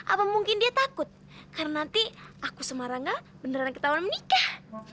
apa mungkin dia takut karena nanti aku semaranga beneran ketahuan menikah